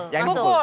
yang ini pukul